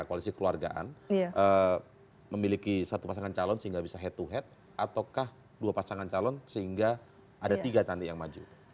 koalisi keluargaan memiliki satu pasangan calon sehingga bisa head to head ataukah dua pasangan calon sehingga ada tiga nanti yang maju